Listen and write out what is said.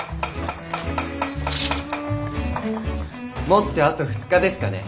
・もってあと２日ですかね。